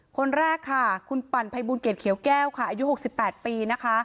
คนแรกค่ะคุณปั่นภัยบูรณ์เกรียวแก้วอายุ๖๘ปีนะคะ